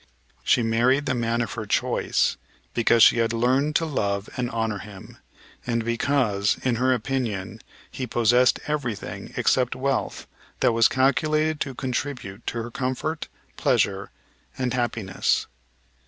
She married the man of her choice because she had learned to love and honor him, and because, in her opinion, he possessed everything, except wealth, that was calculated to contribute to her comfort, pleasure and happiness.